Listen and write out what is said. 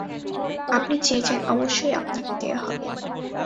আপনি চেয়েছেন, অবশ্যই আপনাকে দেয়া হবে।